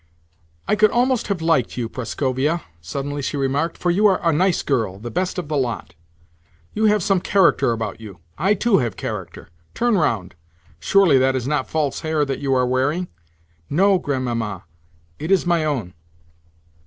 "I could almost have liked you, Prascovia," suddenly she remarked, "for you are a nice girl—the best of the lot. You have some character about you. I too have character. Turn round. Surely that is not false hair that you are wearing?" "No, Grandmamma. It is my own."